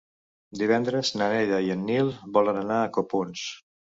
Divendres na Neida i en Nil volen anar a Copons.